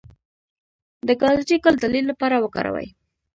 د ګازرې ګل د لید لپاره وکاروئ